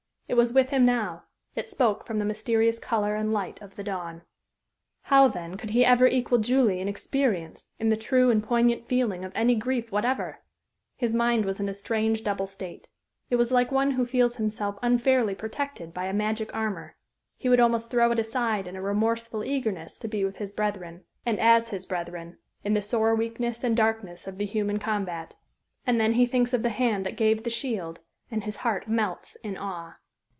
It was with him now it spoke from the mysterious color and light of the dawn. How, then, could he ever equal Julie in experience, in the true and poignant feeling of any grief whatever? His mind was in a strange, double state. It was like one who feels himself unfairly protected by a magic armor; he would almost throw it aside in a remorseful eagerness to be with his brethren, and as his brethren, in the sore weakness and darkness of the human combat; and then he thinks of the hand that gave the shield, and his heart melts in awe.